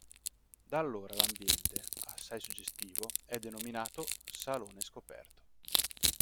Da allora l'ambiente, assai suggestivo, è denominato "salone scoperto".